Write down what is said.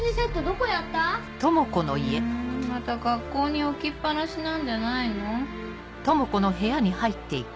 うんまた学校に置きっ放しなんじゃないの？